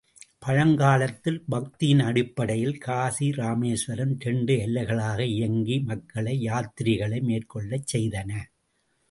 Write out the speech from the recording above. பழங்காலத்தில் பக்தியின் அடிப்படையில் காசி இராமேஸ்வரம் இரண்டு எல்லைகளாக இயங்கி மக்களை யாத்திரைகளை மேற்கொள்ளச் செய்தன.